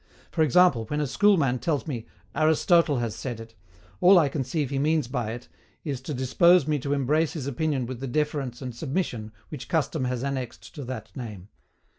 For example, when a schoolman tells me "Aristotle has said it," all I conceive he means by it is to dispose me to embrace his opinion with the deference and submission which custom has annexed to that name.